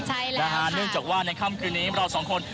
ใช่แล้วนะฮะเนื่องจากว่าในค่ำคืนนี้เราสองคน